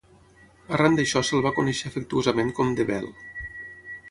Arran d'això, se'l va conèixer afectuosament com "The Bell".